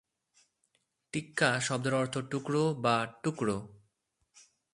"টিক্কা" শব্দের অর্থ "টুকরো" বা "টুকরো"।